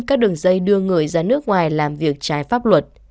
các đường dây đưa người ra nước ngoài làm việc trái pháp luật